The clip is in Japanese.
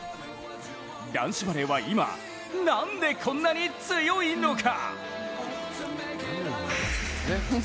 男子バレーは今、なんでこんなに強いのか。